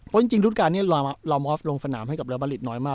เพราะจริงทุกการรามอฟล์ลงสนามให้กับเรียลบรรลิตน้อยมาก